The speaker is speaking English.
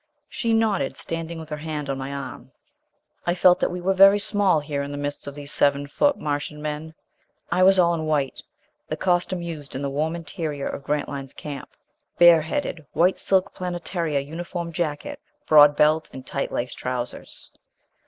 She nodded, standing with her hand on my arm. I felt that we were very small, here in the midst of these seven foot Martian men. I was all in white, the costume used in the warm interior of Grantline's camp. Bareheaded, white silk Planetara uniform jacket, broad belt and tight laced trousers.